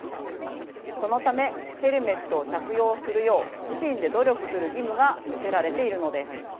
そのためヘルメットを着用するよう自身で努力する義務が課せられているのです。